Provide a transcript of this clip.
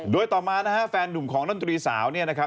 โดยต่อมานะฮะแฟนหนุ่มของดนตรีสาวเนี่ยนะครับ